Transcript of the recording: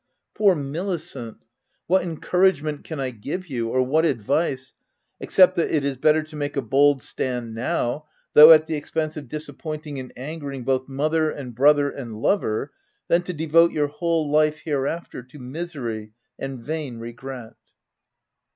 poor Milicent, what encouragement can I give you ?— or what advice — except that it is better to make a bold stand now, though at the expense of disappointing and angering both mother and brother, and lover, than to devote your whole life, hereafter, to misery and vain regret